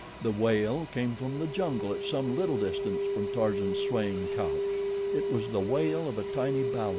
The wail came from the jungle at some little distance from Tarzan's swaying couch. It was the wail of a tiny balu.